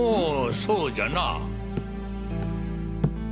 そうじゃな。